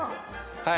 はい。